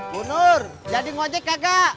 bunur jadi ngajek kagak